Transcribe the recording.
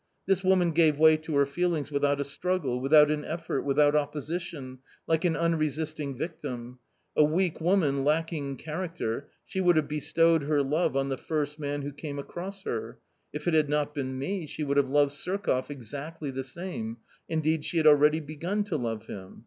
This woman gave way to her feelings without a struggle, without an effort, without opposition, like an unresisting victim. A weak woman, lacking character, she would have bestowed her love on the first man who came across her; if it had not been me, she would have loved Surkoff exactly the same, indeed she had already begun to love him.